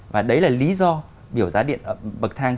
và đấy là lý do biểu giá điện bậc thang